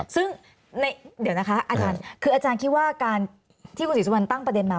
ซึ่งเดี๋ยวนะคะอาจารย์คืออาจารย์คิดว่าการที่คุณศรีสุวรรณตั้งประเด็นมา